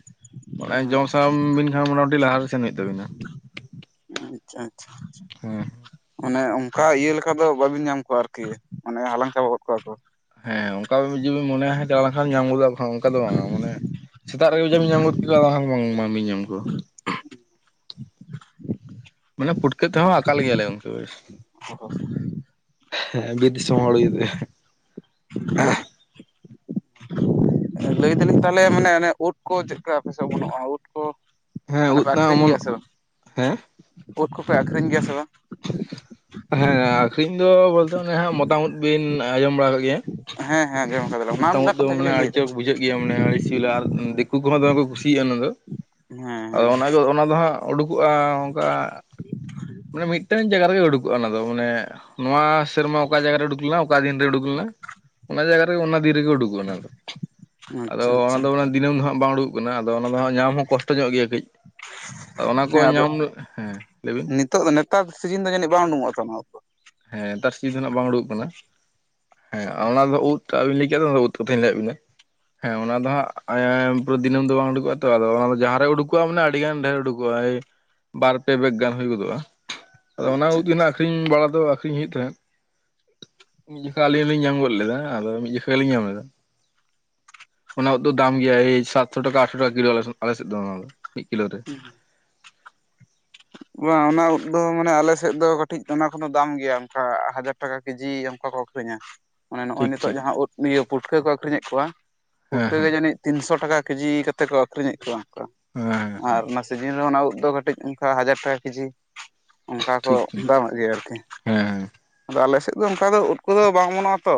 ᱢᱟᱱᱮ ᱡᱚᱢ
ᱦᱮᱸ
ᱥᱟᱱᱟ ᱵᱤᱱ ᱠᱷᱟᱱ ᱢᱚᱴᱟᱢᱩᱴᱤ ᱞᱟᱦᱟᱨᱮ ᱥᱮᱱ ᱦᱩᱭᱩᱜ ᱛᱟᱵᱤᱱᱟ
ᱟᱪᱷᱟᱻ ᱟᱪᱷᱟᱻ ᱟᱪᱷᱟᱻ᱾
ᱦᱮᱸ᱾
ᱢᱟᱱᱮ ᱚᱱᱠᱟ ᱤᱭᱟᱹ ᱞᱮᱠᱟ ᱫᱚ ᱵᱟᱹᱵᱤᱱ ᱧᱟᱢ ᱠᱚᱣᱟ ᱟᱨᱠᱤ ᱢᱟᱱᱮ ᱦᱟᱞᱟᱝ ᱪᱟᱵᱟ ᱜᱚᱫ ᱠᱚᱣᱟ ᱠᱚ᱾
ᱦᱮᱸ ᱚᱱᱠᱟ ᱡᱫᱤ ᱢᱚᱱᱮᱭᱟ ᱦᱮ ᱪᱟᱣ ᱞᱮ ᱠᱷᱟᱱ ᱧᱟᱢ ᱜᱚᱫᱚᱜ ᱠᱷᱟᱱ ᱚᱱᱠᱟ ᱫᱚ ᱵᱟᱝᱼᱟ, ᱢᱟᱱᱮ ᱥᱮᱛᱟᱜ ᱨᱮᱜᱮ ᱡᱟ ᱧᱟᱢ ᱜᱚᱫ ᱠᱤᱫᱟ ᱚᱱᱟ ᱦᱚᱸ ᱵᱟᱝ ᱵᱤᱱ ᱧᱟᱢ ᱠᱚᱣᱟ᱾ ᱢᱟᱱᱮ ᱯᱩᱴᱠᱟᱹ ᱛᱮᱦᱚᱸ ᱟᱠᱟᱞ ᱜᱮᱭᱟᱞᱮ ᱩᱱᱠᱟᱹ,
ᱚᱸᱻ᱾
ᱦᱮᱸ ᱵᱤᱨ ᱫᱤᱥᱚᱢ ᱦᱚᱲ ᱜᱮ
ᱞᱟᱹᱭ ᱫᱟᱞᱤᱧ ᱛᱟᱦᱚᱞᱮ ᱢᱟᱱᱮ ᱚᱱᱮ ᱳᱫᱽ ᱠᱚ ᱪᱮᱫᱟ ᱟᱯᱮᱥᱟ ᱳᱢᱳᱱᱚᱜᱼᱟ ᱳᱫᱽ ᱠᱚ?
ᱦᱮᱸ
ᱢᱟᱱᱮ
ᱩᱫ
ᱯᱮ
ᱱᱟᱜ
ᱟᱹᱠᱷᱨᱤᱧ ᱜᱮᱭᱟ
ᱚᱢᱚᱱᱚᱜ
ᱥᱮ ᱵᱟᱝ?
ᱦᱮᱸ
ᱳᱫᱽ ᱠᱚᱯᱮ ᱟᱠᱷᱨᱤᱧ ᱜᱮᱭᱟ ᱥᱮ ᱵᱟᱝ?
ᱦᱮᱸ ᱟᱠᱷᱨᱤᱧ ᱫᱚ ᱵᱚᱞᱛᱮ ᱚᱱᱮ ᱦᱟᱸᱜ ᱢᱚᱴᱟ ᱳᱫᱽ ᱵᱤᱱ ᱟᱸᱡᱚᱢ ᱵᱟᱲᱟ ᱠᱟᱜ ᱜᱮᱭᱟ?
ᱦᱮᱸᱻ ᱦᱮᱸᱻ ᱟᱡᱚᱢ᱾
ᱢᱚᱴᱟ ᱩᱫᱽ ᱫᱚ ᱢᱟᱱᱮ ᱟᱹᱰᱤᱪᱟᱹ ᱵᱩᱡᱟᱹᱜ ᱜᱮᱭᱟ ᱢᱟᱱᱮ ᱟᱲᱤ ᱥᱤᱵᱤᱞᱟ ᱟᱨ ᱫᱤᱠᱩ ᱠᱚᱦᱚᱸ ᱫᱚᱢᱮ ᱠᱚ ᱠᱩᱥᱤᱭᱟᱜᱼᱟ᱾ ᱚᱱᱟ ᱫᱚ ᱟᱫᱚ
ᱦᱮᱸ
ᱚᱱᱟ ᱫᱚ ᱚᱱᱟ ᱫᱚ ᱦᱟᱸᱜ ᱩᱰᱩᱠᱚᱜᱼᱟ ᱚᱱᱠᱟ ᱢᱟᱱᱮ ᱢᱤᱫᱴᱟᱝ ᱡᱟᱭᱜᱟ ᱨᱮᱜᱮ ᱩᱰᱩᱠᱚᱜᱼᱟ ᱚᱱᱟ ᱫᱚ ᱢᱟᱱᱮ ᱱᱚᱣᱟ ᱥᱮᱨᱢᱟ ᱚᱠᱟ ᱡᱟᱭᱜᱟ ᱨᱮ ᱩᱰᱩᱠ ᱞᱮᱱᱟ ᱚᱠᱟ ᱫᱤᱱ ᱨᱮ ᱩᱰᱩᱠ ᱞᱮᱱᱟ, ᱚᱱᱟ ᱡᱟᱭᱜᱟ ᱨᱮ ᱚᱱᱟ ᱫᱤᱱ ᱨᱮᱜᱮ ᱩᱰᱩᱠ ᱠᱚᱜᱼᱟ,
ᱦᱮᱸ
ᱟᱫᱚ
ᱟᱪᱪᱷᱟ
ᱚᱱᱟ
ᱟᱪᱪᱷᱟ
ᱫᱚ ᱫᱤᱱᱟᱹᱢ ᱫᱚ ᱦᱟᱸᱜ ᱵᱟᱝ ᱩᱰᱩᱠᱚᱜ ᱠᱟᱱᱟ ᱟᱫᱚ ᱚᱱᱟ ᱫᱚ ᱦᱟᱸᱜ ᱧᱟᱢ ᱦᱚᱸ ᱠᱚᱥᱴᱚ ᱧᱚᱜ ᱜᱮᱭᱟ ᱠᱟᱹᱡ, ᱟᱫᱚ ᱚᱱᱟ ᱠᱚ
ᱦᱮᱸ ᱟᱫᱚ
ᱧᱟᱢ ᱦᱮᱸ, ᱞᱟᱹᱭ ᱵᱤᱱ?
ᱱᱤᱛᱚᱜ ᱫᱚ ᱱᱮᱛᱟᱨ ᱥᱤᱡᱤᱱ ᱫᱚ ᱡᱟᱹᱱᱤᱡ ᱵᱟᱝ ᱩᱰᱩᱠᱚᱜᱼᱟ ᱟᱱᱟ ᱠᱚᱛᱚ?
ᱦᱮᱸ ᱱᱮᱛᱟᱨ ᱥᱤ- ᱫᱚ ᱱᱟᱜ ᱵᱟᱝ ᱩᱵᱩᱠᱜ ᱠᱟᱱᱟ ᱾ ᱦᱮᱸ ᱚᱱᱟ ᱫᱚ ᱩᱫᱽ ᱟᱵᱤᱱ ᱞᱟᱹᱭ ᱠᱮᱜ ᱫᱚ ᱩᱫᱽ ᱠᱟᱛᱷᱟᱹᱧ ᱞᱟᱹᱭᱟᱫ ᱵᱤᱱᱟ᱾ ᱦᱮᱸ ᱚᱱᱟ ᱫᱚ ᱦᱟᱸᱜ ᱫᱤᱱᱟᱢ ᱫᱚ ᱵᱟᱝ ᱩᱰᱩᱠᱜᱼᱟ ᱛᱚ, ᱟᱫᱚ ᱚᱱᱟ ᱡᱟᱦᱟᱸᱨᱮ ᱩᱰᱩᱠᱚᱜᱼᱟ ᱢᱟᱱᱮ ᱟᱹᱰᱤ ᱜᱟᱱ ᱰᱷᱮᱨ ᱩᱰᱩᱠᱚᱜᱼᱟ᱾ ᱯᱮᱨᱟᱭ ᱵᱟᱨ ᱯᱮ ᱵᱮᱜᱽ ᱜᱟᱱ ᱦᱩᱭ ᱜᱚᱫᱚᱜᱼᱟ᱾ ᱟᱫᱚ ᱚᱱᱟ
ᱟᱪᱪᱷᱟ
ᱩᱫᱽ ᱟᱠᱷᱨᱤᱧ ᱵᱟᱲᱟ ᱫᱚ ᱟᱠᱷᱨᱤᱧ ᱦᱩᱭᱩᱜ ᱛᱟᱦᱮᱫ᱾ ᱢᱤᱫ ᱡᱚᱠᱷᱟ ᱟᱹᱞᱤᱧ ᱞᱤᱧ ᱧᱟᱢ ᱜᱚᱫ ᱞᱮᱫᱟ, ᱟᱫᱚ ᱢᱤᱫ ᱡᱚᱠᱷᱷᱟ ᱜᱮᱞᱤᱧ ᱧᱟᱢ ᱞᱮᱫᱟ᱾ ᱚᱱᱟ ᱩᱫᱽ ᱫᱟᱢ ᱜᱮᱭᱟ ᱳᱭ ᱥᱟᱛᱥᱚ ᱴᱟᱠᱟ ᱟᱴᱷᱥᱚ ᱴᱠᱟ ᱠᱤᱞᱳ ᱟᱞᱮᱥᱮᱫ ᱫᱚ ᱚᱱᱟ ᱢᱤᱫ ᱠᱤᱞᱳ ᱨᱮ᱾
[unintelligible] ᱵᱟᱝ ᱚᱱᱟ ᱩᱫᱽ ᱫᱚ ᱢᱟᱱᱮ ᱟᱞᱮ ᱥᱮᱫ ᱫᱚ ᱠᱟᱹᱴᱤᱡ ᱚᱱᱟ ᱠᱚᱫᱚ ᱫᱟᱢ ᱜᱮᱭᱟ ᱚᱱᱠᱟ ᱦᱟᱡᱟᱨ ᱴᱟᱠᱟ ᱠᱮᱡᱤ ᱚᱱᱠᱟ ᱠᱚ ᱟᱹᱠᱷᱨᱤᱧᱟ᱾ ᱢᱟᱱᱮ ᱱᱚᱜᱼᱚᱭ
ᱴᱷᱤᱠ
ᱱᱤᱛᱚᱜ
ᱴᱷᱤᱠ
ᱡᱟᱦᱟᱸ ᱩᱫᱽ ᱤᱭᱟᱹ ᱯᱩᱴᱠᱟᱹ ᱠᱚ ᱟᱹᱠᱷᱨᱤᱧᱮᱫ ᱠᱚᱣᱟ,
ᱦᱮᱸ
ᱯᱩᱴᱠᱟᱹ ᱜᱮ
ᱦᱮᱸ
ᱡᱟᱹᱱᱤᱡ ᱛᱤᱱᱥᱚ ᱴᱟᱠᱟ ᱠᱮᱡᱤ ᱠᱟᱛᱮ ᱠᱚ ᱟᱹᱠᱷᱨᱤᱧᱮᱫ ᱠᱚᱣᱟ, ᱚᱱᱠᱟ
ᱦᱮᱸ
ᱟᱨ
ᱦᱮᱸ
ᱥᱤᱡᱤᱱ ᱨᱮ ᱚᱱᱟ ᱩᱫᱽ ᱫᱚ ᱠᱟᱹᱴᱤᱡ ᱚᱱᱠᱟ ᱦᱟᱡᱟᱨ ᱴᱟᱠᱟ ᱠᱮᱡᱤ᱾ ᱚᱱᱠᱟ ᱠᱚ
ᱴᱷᱤᱠ ᱴᱷᱤᱠ
ᱫᱟᱢᱟᱜ ᱜᱮ ᱟᱨᱠᱤ,
ᱦᱮᱸ ᱦᱮᱸ
ᱟᱞᱮ ᱥᱮᱫ ᱫᱚ ᱚᱱᱠᱟ ᱫᱚ ᱩᱫᱽ ᱠᱚᱫᱚ ᱵᱟᱝ ᱚᱢᱚᱱᱚᱜᱼᱟ ᱛᱚ,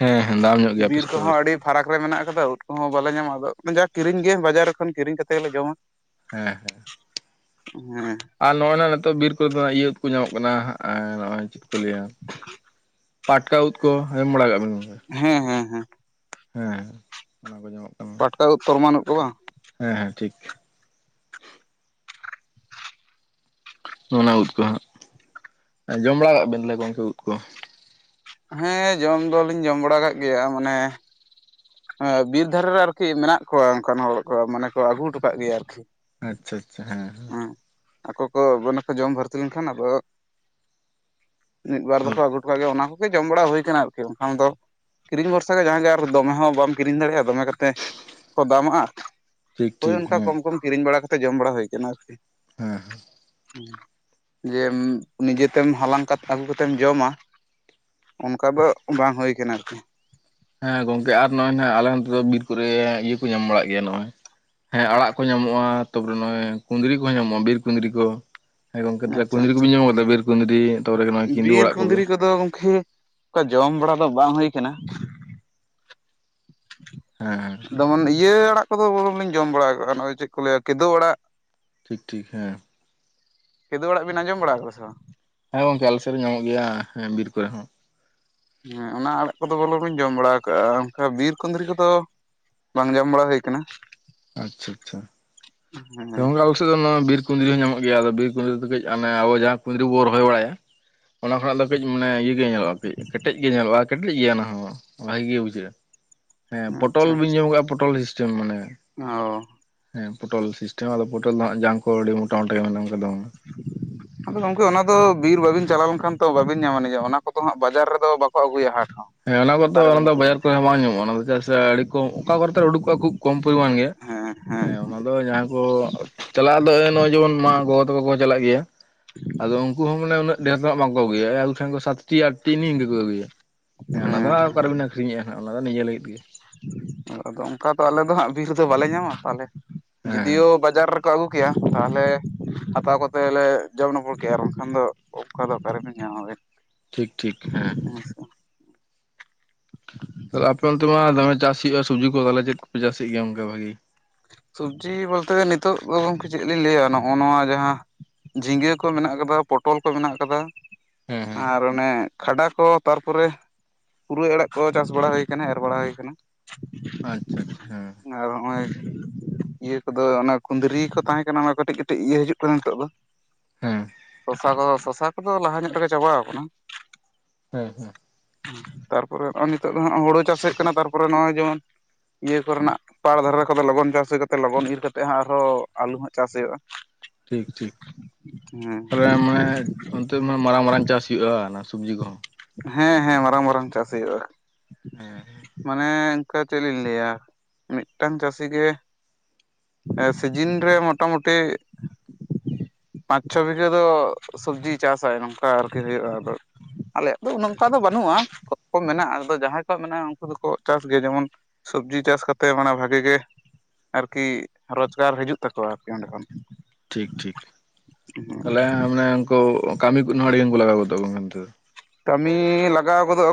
ᱦᱮᱸ ᱦᱮᱸ ᱫᱟᱢ ᱧᱚᱜ ᱜᱮᱭᱟ ᱟᱯᱮ
ᱵᱤᱨ
ᱥᱮᱫ ᱫᱚ
ᱠᱚᱦᱚᱸ
ᱦᱮᱸ
ᱟᱹᱰᱤ ᱯᱷᱟᱨᱟᱠ ᱨᱮ ᱢᱮᱱᱟᱜ ᱠᱟᱫᱟ ᱩᱫᱽ ᱠᱚᱦᱚᱸ ᱵᱟᱞᱮ ᱧᱟᱢᱟ ᱟᱫᱚ ᱡᱟ ᱠᱤᱨᱤᱧ ᱜᱮ, ᱵᱟᱡᱟᱨ ᱠᱷᱚᱱ ᱠᱤᱨᱤᱧ ᱠᱟᱛᱮ ᱜᱮᱞᱮ ᱡᱚᱢᱟ᱾
ᱦᱮᱸᱻ ᱦᱮᱸᱻ᱾
ᱦᱮᱸᱻ᱾
ᱟᱨ ᱱᱚᱜᱼᱚᱭ ᱱᱟ ᱱᱤᱛᱚᱜ ᱵᱤᱨ ᱠᱚᱨᱮᱫᱚ ᱤᱭᱟᱹ ᱩᱫᱽ ᱠᱚ ᱧᱟᱢᱚᱜ ᱠᱟᱱᱟ ᱦᱟᱸᱜ᱾ ᱟᱨ ᱱᱚᱜᱼᱚᱭ ᱪᱮᱫ ᱠᱚ ᱞᱟᱹᱭᱟ, ᱯᱟᱴᱠᱟ ᱩᱫᱽ ᱠᱚ, ᱡᱚᱢ ᱵᱟᱲᱟ ᱠᱟᱜ ᱵᱤᱱ?
ᱦᱮᱸᱻ ᱦᱮᱸᱻ ᱦᱮᱸᱻ᱾
ᱦᱮᱸᱻ ᱚᱱᱟ ᱠᱚ ᱧᱟᱢᱚᱜ ᱠᱟᱱᱟ᱾
ᱯᱟᱴᱠᱟ ᱩᱫᱽ ᱛᱚᱨᱢᱟᱱ ᱩᱫᱽ ᱠᱚ ᱵᱟᱝ?
ᱦᱮᱸᱻ ᱦᱮᱸᱻ ᱴᱷᱤᱠ᱾ ᱚᱱᱟ ᱩᱫᱽ ᱠᱚ ᱦᱟᱸᱜ ᱡᱚᱢ ᱵᱟᱲᱟ ᱠᱟᱜ ᱵᱮᱱ ᱛᱟᱦᱚᱞᱮ ᱜᱚᱢᱠᱮ ᱩᱫᱽ ᱠᱚ?
ᱦᱮᱸ ᱡᱚᱢ ᱫᱚᱞᱤᱧ ᱡᱚᱢ ᱵᱟᱲᱟ ᱠᱟᱜ ᱜᱮᱭᱟ ᱢᱟᱱᱮ ᱵᱤᱨ ᱫᱷᱟᱨᱮ ᱨᱮ ᱟᱨᱠᱤ ᱢᱮᱱᱟᱜ ᱠᱚᱣᱟ ᱚᱱᱠᱟᱱ ᱦᱚᱲ ᱠᱚ, ᱢᱟᱱᱮ ᱠᱚ ᱟᱹᱜᱩ ᱴᱚ ᱠᱟᱜ ᱜᱮᱭᱟ ᱟᱨᱠᱤ᱾
ᱟᱪᱪᱷᱟᱻ ᱟᱪᱪᱷᱟᱻ ᱦᱮᱸᱻ ᱦᱮᱸᱻ᱾
ᱟᱠᱚ ᱠᱚ ᱡᱚᱢ ᱵᱷᱟᱨᱛᱤ ᱞᱮᱱᱠᱷᱟᱱ, ᱟᱫᱚ ᱢᱤᱫ ᱵᱟᱨ
ᱦᱮᱸ
ᱫᱚᱠᱚ ᱟᱹᱜᱩ ᱴᱚ ᱠᱟᱜ ᱜᱮᱭᱟ, ᱚᱱᱟ ᱠᱚᱜᱮ ᱡᱚᱢ ᱵᱟᱲᱟ ᱦᱩᱭ ᱠᱟᱱᱟ᱾ ᱟᱨᱠᱤ ᱵᱟᱝᱠᱷᱟᱱ ᱫᱚ ᱠᱤᱨᱤᱧ ᱵᱷᱚᱨᱥᱟ᱾ ᱡᱟᱦᱟᱸᱜ ᱜᱮ ᱟᱨ ᱫᱚᱢᱮ ᱦᱚᱸ ᱵᱟᱢ ᱠᱤᱨᱤᱧ ᱫᱟᱲᱮᱭᱟᱜᱼᱟ ᱫᱚᱢᱮ ᱠᱟᱛᱮ ᱠᱚ ᱫᱟᱢᱟᱜᱼᱟ᱾
ᱴᱷᱤᱠ
ᱦᱳᱭ
ᱴᱷᱤᱠ
ᱚᱱᱠᱟ
ᱦᱮᱸ
ᱠᱚᱢ ᱠᱚᱢ ᱠᱤᱨᱤᱧ ᱵᱟᱲᱟᱛᱮᱫ ᱡᱚᱢ ᱵᱟᱲᱟ ᱦᱩᱭ ᱠᱟᱱᱟ ᱟᱨᱠᱤ᱾
ᱦᱮᱸ
ᱡᱮ ᱱᱤᱡᱮᱛᱮᱢ ᱦᱟᱞᱟᱝ ᱠᱟᱛᱮ ᱟᱹᱜᱩ ᱠᱟᱛᱮᱢ ᱡᱚᱢᱟ᱾ ᱚᱱᱠᱟ ᱫᱚ ᱵᱟᱝ ᱦᱩᱭ ᱠᱟᱱᱟ ᱟᱨᱠᱤ᱾
ᱦᱮᱸ ᱜᱚᱝᱠᱮ ᱟᱨ ᱱᱚᱜᱼᱚᱭ, ᱱᱚᱜᱼᱚᱭ ᱟᱞᱮ ᱚᱱᱛᱮ ᱫᱚ ᱵᱤᱨ ᱠᱚᱨᱮ ᱤᱭᱟᱹ ᱠᱚ ᱧᱟᱢ ᱵᱟᱲᱟᱜ ᱜᱮᱭᱟ ᱱᱚᱜᱼᱚᱭ᱾ ᱦᱮᱸ ᱟᱲᱟᱜ ᱠᱚ ᱧᱟᱢᱚᱜᱼᱟ ᱛᱟᱯᱚᱨᱮ ᱱᱚᱜᱼᱚᱭ ᱠᱩᱸᱫᱽᱨᱤ ᱠᱚᱦᱚᱸ ᱧᱟᱢᱚᱜᱼᱟ ᱵᱤᱨ ᱠᱩᱸᱫᱽᱨᱤ ᱠᱚ᱾ ᱦᱮᱸ ᱜᱚᱢᱠᱮ ᱛᱟᱦᱮᱞᱮ
ᱟᱪᱪᱷᱟ
ᱠᱩᱸᱫᱽᱨᱤ
ᱟᱪᱪᱷᱟ
ᱠᱚᱵᱤᱱ ᱡᱚᱢ ᱟᱠᱟᱫᱟ ᱵᱤᱨ ᱠᱩᱸᱫᱽᱨᱤ? ᱛᱟᱯᱚᱨᱮ ᱱᱚᱜᱼᱚᱭ ᱠᱤᱸᱫᱩ
ᱵᱤᱨ
ᱟᱲᱟᱜ ᱠᱚᱜᱮ
ᱠᱩᱸᱫᱽᱨᱤ ᱠᱚᱫᱚ ᱜᱚᱢᱠᱮ ᱚᱱᱠᱟ ᱡᱚᱢ ᱵᱟᱲᱟ ᱫᱚ ᱵᱟᱝ ᱦᱩᱭ ᱠᱟᱱᱟ᱾ [inaudible]
ᱦᱮᱸ
ᱫᱚᱢᱚᱱ ᱤᱭᱟᱹ ᱟᱲᱟᱜ ᱠᱚᱫᱚ ᱵᱚᱨᱚᱜ ᱞᱤᱧ ᱡᱚᱢ ᱵᱟᱲᱟ ᱟᱠᱟᱜᱼᱟ ᱱᱚᱜᱼᱚᱭ ᱪᱮᱫ ᱠᱚ ᱞᱟᱹᱭᱟ ᱠᱤᱫᱳᱜ ᱟᱲᱟᱜ᱾
ᱴᱷᱤᱠ ᱴᱷᱤᱠ ᱦᱮᱸ᱾
ᱠᱤᱫᱳᱜ ᱟᱲᱟᱜ ᱵᱤᱱ ᱟᱸᱡᱚᱢ ᱵᱟᱲᱟ ᱠᱚᱫᱟ ᱥᱮ ᱵᱟᱝ?
ᱦᱮᱸ ᱜᱚᱝᱠᱮ ᱟᱞᱮ ᱥᱮᱫ ᱦᱚ ᱧᱟᱢᱚᱜ ᱜᱮᱭᱟ ᱦᱮᱸ ᱵᱤᱨ ᱠᱚᱨᱮ ᱦᱚᱸ᱾
ᱦᱮᱸ ᱚᱱᱟ ᱟᱲᱟᱜ ᱠᱚᱫᱚ ᱵᱚᱞᱚᱝ ᱤᱧ ᱡᱚᱢ ᱵᱟᱲᱟ ᱠᱟᱜᱼᱟ ᱚᱱᱠᱟ ᱵᱤᱨ ᱠᱩᱸᱫᱽᱨᱤ ᱠᱚᱫᱚ ᱵᱟᱝ ᱡᱚᱢ ᱵᱟᱲᱟ ᱦᱩᱭ ᱠᱟᱱᱟ᱾
ᱟᱪᱪᱷᱟ ᱟᱪᱪᱷᱟ᱾
ᱦᱮᱸ
ᱜᱚᱢᱠᱮ ᱟᱵᱚ ᱥᱮᱫ ᱫᱚ ᱵᱤᱨ ᱠᱩᱸᱫᱽᱨᱤ ᱦᱚᱸ ᱧᱟᱢᱚᱜ ᱜᱮᱭᱟ ᱟᱫᱚ ᱵᱤᱨ ᱠᱩᱸᱫᱽᱨᱤ ᱫᱚ ᱠᱟᱹᱡ ᱟᱵᱚ ᱡᱟᱦᱟᱸ ᱠᱩᱸᱫᱽᱨᱤ ᱵᱚᱱ ᱨᱚᱦᱚᱭ ᱵᱟᱲᱟᱭᱟ ᱚᱱᱟ ᱠᱷᱚᱱᱟᱜ ᱞᱟᱹᱠ ᱠᱟᱹᱡ ᱢᱟᱱᱮ ᱤᱭᱟᱹ ᱧᱮᱞᱚᱜᱼᱟ ᱠᱟᱹᱡ ᱠᱮᱴᱮᱡ ᱜᱮ ᱧᱮᱞᱚᱜᱼᱟ ᱠᱮᱴᱮᱡ ᱜᱮᱭᱟ ᱚᱱᱟᱦ ᱵᱷᱟᱜᱮ ᱜᱮ ᱵᱩᱡᱷᱟᱹᱜᱼᱟ᱾ ᱦᱮᱸ ᱯᱚᱴᱚᱞ
ᱟᱪᱪᱷᱟ
ᱵᱤᱹᱱ ᱡᱚᱢ ᱟᱠᱟᱫᱟ ᱯᱚᱴᱚᱞ ᱥᱤᱥᱴᱮᱢ ᱢᱟᱱᱮ,
ᱚ
ᱦᱮᱸ ᱯᱚᱴᱚᱞ ᱥᱤᱥᱴᱮᱢ ᱟᱫᱚ ᱯᱚᱴᱚᱞ ᱫᱚ ᱦᱟᱸᱜ ᱡᱟᱝ ᱠᱚ ᱟᱹᱰᱤ ᱢᱚᱴᱟᱢᱚᱴᱟ ᱜᱮ ᱢᱮᱱᱟᱜ ᱠᱟᱫᱟ ᱵᱟᱝ,
[inaudible] ᱟᱫᱚ ᱜᱚᱝᱠᱮ ᱚᱱᱟ ᱫᱚ ᱵᱤᱨ ᱵᱟᱵᱤᱱ ᱪᱟᱞᱟᱣ ᱞᱮᱱᱠᱷᱟᱱ ᱛᱚ ᱵᱟᱵᱤᱱ ᱧᱟᱢ-ᱟ ᱱᱤᱡᱮ ᱚᱱᱟ ᱠᱚᱫᱚ ᱦᱟᱸᱜ ᱵᱟᱡᱟᱨ ᱨᱮᱫᱚ ᱵᱟᱠᱚ ᱟᱹᱜᱩᱭᱟ ᱦᱟᱴ ᱦᱚᱸ
ᱦᱮᱸ ᱚᱱᱟ ᱠᱚᱫᱚ ᱚᱱᱟ
ᱚᱠᱟᱨᱮᱵᱮᱱ
ᱫᱚ ᱵᱟᱡᱟᱨ
ᱠᱤᱨᱤᱧᱟ
ᱠᱚᱨᱮ
ᱦᱮᱸ
ᱵᱟᱝ ᱧᱟᱢᱚᱜᱼᱟ ᱚᱱᱟ ᱪᱮᱫᱟᱜ ᱥᱮ ᱟᱹᱰᱤ ᱠᱚ ᱚᱠᱟ ᱠᱚᱨᱮ ᱪᱚᱝ ᱩᱰᱩᱠᱚᱜᱼᱟ ᱠᱷᱩᱵ ᱠᱚᱢ ᱯᱚᱨᱤᱢᱟᱱ ᱜᱮ᱾
ᱦᱮᱸ ᱦᱮᱸ ᱦᱮᱸ᱾
ᱟᱫᱚ ᱡᱟᱦᱟᱸᱭ ᱠᱚ ᱪᱟᱞᱟᱜ ᱟᱫᱚ ᱱᱚᱜᱼᱚᱭ ᱡᱮᱢᱚᱱ ᱢᱟ ᱜᱚᱜᱚ ᱛᱟᱠᱚ ᱠᱚ ᱪᱟᱞᱟᱜ ᱜᱮᱭᱟ᱾ ᱟᱫᱚ ᱩᱱᱠᱩ ᱦᱚᱸ ᱢᱟᱱᱮ ᱩᱱᱟᱹᱜ ᱰᱷᱮᱨ ᱫᱚᱱᱟᱜ ᱵᱟᱝ ᱠᱚ ᱟᱹᱜᱩᱭᱟ ᱮ ᱠᱷᱟᱱ ᱫᱚ ᱥᱟᱛ ᱴᱤ ᱟᱴ ᱴᱤ ᱤᱱᱠᱟᱹ ᱠᱚ ᱟᱹᱜᱩᱭᱟ᱾ ᱦᱮᱸ ᱚᱱᱟ ᱫᱚ ᱦᱟᱸᱜ ᱚᱠᱟ ᱨᱮᱵᱤᱱ ᱟᱠᱷᱨᱤᱧᱮᱫᱼᱟ ᱦᱟᱜ ᱚᱱᱟ ᱫᱚ ᱱᱤᱭᱟᱹ ᱞᱟᱹᱜᱤᱫ ᱜᱮ᱾
ᱟᱫᱚ ᱚᱱᱠᱟ ᱫᱚ ᱟᱞᱮ ᱫᱚ ᱦᱟᱸᱜ ᱵᱤᱨ ᱫᱚ ᱵᱟᱞᱮ ᱧᱟᱢᱟ ᱛᱟᱦᱚᱞᱮ
ᱦᱮᱸ
ᱡᱩᱫᱤᱭᱳ
ᱦᱮᱸ
ᱵᱟᱡᱟᱨ ᱠᱚ ᱟᱹᱜᱩ ᱠᱮᱭᱟ ᱛᱟᱦᱚᱞᱮ ᱦᱟᱛᱟᱣ ᱠᱚᱛᱮ ᱞᱮ ᱡᱚᱢ ᱱᱚᱯᱚᱲ ᱠᱮᱭᱟ ᱟᱨ ᱵᱟᱝᱠᱷᱟᱱ ᱫᱚ ᱚᱠᱟ ᱫᱚ ᱚᱠᱟ ᱨᱮᱵᱤᱱ ᱧᱟᱢ ᱵᱮᱱ
ᱴᱷᱤᱠ ᱴᱷᱤᱠ ᱦᱮᱸ
[inaudible]
ᱛᱟᱦᱮᱞᱮ ᱟᱯᱮ ᱚᱱᱛᱮ ᱢᱟ ᱫᱚᱢᱮ ᱪᱟᱥ ᱦᱩᱭᱩᱜᱼᱟ ᱥᱚᱵᱡᱤ ᱠᱚ ᱛᱟᱦᱚᱞᱮ ᱪᱮᱫ ᱠᱚᱯᱮ ᱪᱟᱥᱮᱫ ᱜᱮᱭᱟ ᱚᱱᱠᱟ ᱵᱷᱟᱜᱤ?
ᱥᱚᱵᱡᱤ ᱵᱚᱞᱛᱮ ᱱᱤᱛᱚᱜ ᱫᱚ ᱜᱚᱝᱠᱮ ᱪᱮᱫ ᱞᱤᱧ ᱞᱟᱹᱭᱟ ᱱᱚᱜ ᱱᱚᱣᱟ ᱡᱟᱦᱟᱸ, ᱡᱷᱤᱸᱜᱟᱹ ᱠᱚ ᱢᱮᱱᱟᱜ ᱠᱟᱫᱟ ᱯᱚᱴᱚᱞ ᱠᱚ ᱢᱮᱱᱟᱜ ᱠᱟᱫᱟ,
ᱦᱮᱸ ᱦᱮᱸ
ᱟᱨ ᱟᱱᱮ ᱠᱷᱟᱰᱟ ᱠᱚ ᱛᱟᱨᱯᱚᱨᱮ ᱯᱩᱨᱟᱹᱭ ᱟᱲᱟᱜ ᱠᱚ ᱪᱟᱥ ᱵᱟᱲᱟ ᱦᱩᱭ ᱟᱠᱟᱱᱟ ᱮᱨ ᱵᱟᱲᱟ ᱦᱩᱭ ᱟᱠᱟᱱᱟ᱾
ᱟᱪᱪᱷᱟ ᱟᱪᱪᱷᱟ ᱦᱩᱸ᱾
ᱟᱨ ᱱᱚᱜ ᱚᱭ ᱤᱭᱟᱹ ᱠᱚᱫᱚ ᱚᱱᱟ ᱠᱩᱸᱫᱽᱨᱤ ᱠᱚ ᱛᱟᱦᱮᱸᱠᱟᱱᱟ ᱚᱱᱟ ᱠᱟᱹᱴᱤᱡ ᱠᱟᱹᱴᱤᱡ ᱤᱭᱟᱹ ᱦᱤᱡᱩᱜ ᱠᱟᱱᱟ ᱱᱤᱛᱚᱜ ᱫᱚ
ᱦᱮᱸ
ᱥᱚᱥᱟ ᱠᱚᱫᱚ ᱥᱚᱥᱟ ᱠᱚᱫᱚ ᱞᱟᱦᱟ ᱧᱚᱜ ᱛᱮᱜᱮ ᱪᱟᱵᱟᱣ ᱠᱟᱱᱟ᱾
ᱦᱮᱸ ᱦᱮᱸ
ᱛᱟᱨᱯᱚᱨᱮ ᱱᱚᱜᱼᱚᱭ ᱱᱤᱛᱚᱜ ᱫᱚ ᱦᱟᱸᱜ ᱦᱩᱲᱩ ᱪᱟᱥ ᱦᱩᱭᱩᱜ ᱠᱟᱱᱟ ᱛᱟᱨᱯᱚᱨ ᱱᱚᱜᱼᱚᱭ ᱡᱮᱢᱚᱱ ᱤᱭᱟᱹ ᱠᱚᱨᱮᱱᱟᱜ ᱯᱟᱲ ᱫᱷᱟᱨᱮ ᱛᱚᱵᱮ ᱞᱚᱜᱚᱱ ᱪᱟᱥ ᱦᱩᱭ ᱠᱟᱛᱮᱫ ᱞᱚᱜᱚᱱ ᱤᱨ ᱠᱟᱛᱮ ᱦᱟᱜ ᱟᱨᱦᱚᱸ ᱟᱞᱩ ᱦᱟᱜ ᱪᱟᱥ ᱦᱩᱭᱩᱜᱼᱟ᱾
ᱴᱷᱤᱠ ᱴᱷᱤᱠ
ᱦᱮᱸ
ᱛᱟᱦᱞᱮ ᱢᱟᱱᱮ ᱚᱱᱛᱮ ᱢᱟ ᱢᱟᱨᱟᱝ ᱢᱟᱨᱟᱝ ᱪᱟᱥ ᱦᱩᱭᱩᱜᱼᱟ ᱚᱱᱟ ᱥᱚᱵᱽᱡᱤ ᱠᱚᱦᱚᱸ,
ᱦᱮᱸ ᱦᱮᱸ ᱢᱟᱨᱟᱝ ᱢᱟᱨᱟᱝ ᱪᱟᱥ ᱦᱩᱭᱩᱜᱼᱟ
ᱦᱮᱸ
ᱢᱟᱱᱮ ᱤᱱᱠᱟ ᱪᱮᱫ ᱞᱤᱧ ᱞᱟᱹᱭᱟ ᱢᱤᱫᱴᱟᱝ ᱪᱟᱹᱥᱤ ᱜᱮ ᱮᱸ ᱥᱤᱡᱤᱱ ᱨᱮ ᱢᱳᱴᱟᱢᱩᱴᱤ ᱯᱟᱸᱪ ᱪᱷᱚ ᱵᱤᱜᱷᱟᱹ ᱫᱚ ᱥᱚᱵᱽᱡᱤ ᱪᱟᱥᱟᱭ ᱱᱚᱝᱠᱟ ᱟᱨᱠᱤ ᱦᱩᱭᱩᱜᱼᱟ ᱟᱫᱚ ᱟᱞᱮᱭᱟᱜ ᱫᱚ ᱚᱱᱟᱹ ᱚᱱᱠᱟ ᱫᱚ ᱵᱟᱹᱱᱩᱜᱼᱟ ᱠᱚᱢ ᱠᱚᱢ ᱢᱮᱱᱟᱜᱼᱟ ᱟᱫᱚ ᱡᱟᱦᱟᱸᱭ ᱠᱚᱣᱟᱜ ᱢᱮᱱᱟᱜᱼᱟ ᱩᱝᱠᱩ ᱫᱚᱠᱚ ᱪᱟᱥ ᱜᱮᱭᱟ ᱡᱮᱢᱚᱱ ᱥᱚᱵᱽᱡᱤ ᱪᱟᱥ ᱠᱟᱛᱮᱜ ᱢᱟᱱᱮ ᱵᱷᱟᱜᱮ ᱜᱮ ᱟᱨᱠᱤ ᱨᱳᱡᱽᱠᱟᱨ ᱦᱟᱹᱡᱩᱜ ᱛᱟᱠᱚᱣᱟ ᱟᱨᱠᱤ ᱚᱸᱰᱮ ᱠᱷᱚᱱ
ᱴᱷᱤᱠ ᱴᱷᱤᱠ ᱛᱟᱦᱚᱞᱮ ᱢᱟᱱᱮ ᱩᱝᱠᱳ ᱠᱟᱹᱢᱤ ᱠᱩᱡ ᱦᱚᱸ ᱟᱹᱲᱤᱜᱟᱱ ᱠᱚ ᱞᱟᱜᱟᱣ ᱜᱚᱫᱚᱜ ᱜᱚᱝᱠᱮ ᱱᱚᱛᱮ ᱫᱚ
ᱠᱟᱹᱢᱤ ᱞᱟᱜᱟᱣ ᱜᱚᱫᱚᱜᱼᱟ